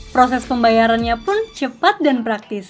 proses pembayarannya pun cepat dan praktis